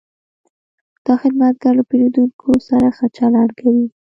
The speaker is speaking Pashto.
دا خدمتګر له پیرودونکو سره ښه چلند کوي.